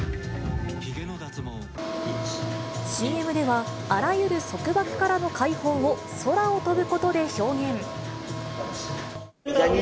ＣＭでは、あらゆる束縛からの解放を空を飛ぶことで表現。